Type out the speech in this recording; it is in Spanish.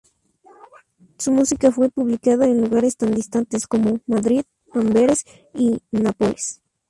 Su música fue publicada en lugares tan distantes como Madrid, Amberes y Nápoles.